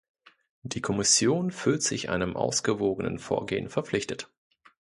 Die Kommission fühlt sich einem ausgewogenen Vorgehen verpflichtet.